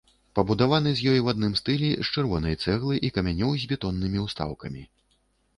Пабудаваны з ёй у адным стылі з чырвонай цэглы і камянёў з бетоннымі ўстаўкамі.